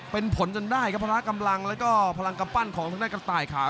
เป็นผลจนได้ครับพละกำลังแล้วก็พลังกำปั้นของทางด้านกระต่ายขา